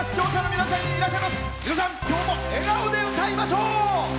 皆さん、きょうも笑顔で歌いましょう！